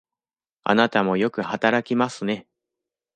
あなたもよく働きますね。